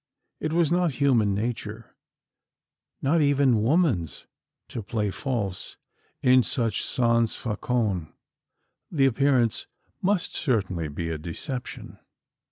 It was not human nature not even woman's to play false in such sans facon. The appearance must certainly be a deception?